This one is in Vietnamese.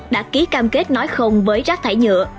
đã ký cam kết nói không với rác thải nhựa